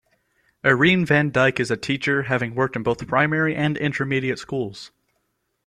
Irene van Dyk is a teacher, having worked in both primary and intermediate schools.